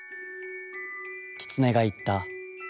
キツネが言った。